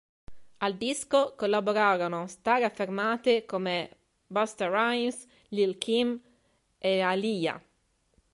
Al disco collaborano star affermate come Busta Rhymes, Lil Kim e Aaliyah.